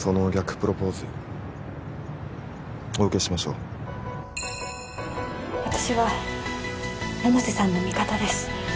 プロポーズお受けしましょう私は百瀬さんの味方です